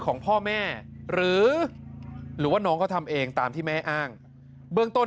ของพ่อแม่หรือว่าน้องเขาทำเองตามที่แม่อ้างเบื้องต้น